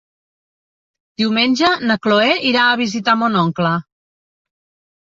Diumenge na Chloé irà a visitar mon oncle.